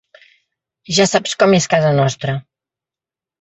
Ja saps com és casa nostra.